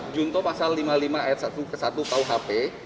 junto pasal lima puluh lima ayat satu ke satu kuhp